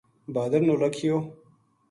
بہادر نو لکھیو